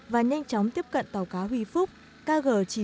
và nhanh chóng tiếp cận tàu cá huy phúc